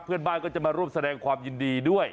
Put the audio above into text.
เพื่อนบ้านก็จะมาร่วมแสดงความยินดีด้วย